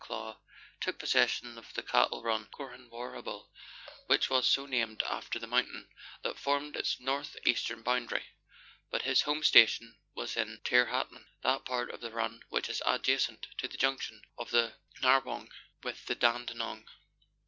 Clow took possession of the cattle run, Corhanwarrabul, which was so named after the mountain that formed its north eastern boundary, but his home station was at Tirhatuan, that part of the run which is adjacent to the junction of the Narrewong with the Dandenong.